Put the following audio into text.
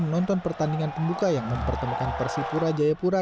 menonton pertandingan pembuka yang mempertemukan persi pura jayapura